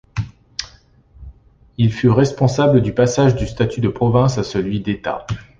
Il fut responsable du passage du statut de province à celui d'État.